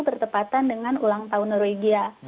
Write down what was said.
dan itu sama dengan ulang tahun norwegia